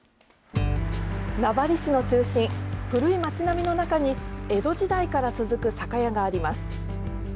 名張市の中心、古い町並みの中に、江戸時代から続く酒屋があります。